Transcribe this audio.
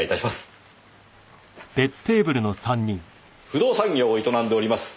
不動産業を営んでおります